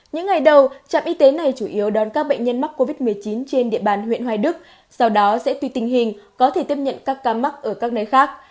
những ngày đầu trạm y tế này chủ yếu đón các bệnh nhân mắc covid một mươi chín trên địa bàn huyện hoài đức sau đó sẽ tùy tình hình có thể tiếp nhận các ca mắc ở các nơi khác